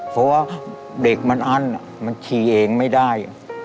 เพราะว่าเด็กมันอั้นมันขี่เองไม่ได้